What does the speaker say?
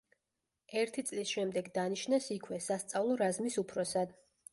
ერთი წლის შემდეგ დანიშნეს იქვე სასწავლო რაზმის უფროსად.